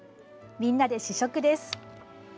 みんなで試食です。